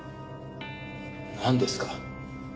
なんですか？